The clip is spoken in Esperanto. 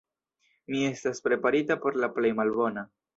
Mi estas preparita por la plej malbona.